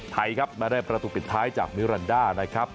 ไทยครับมาได้ประตูปิดท้ายจากมิรันดานะครับ